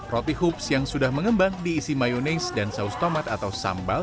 roti hoops yang sudah mengembang diisi mayonaise dan saus tomat atau sambal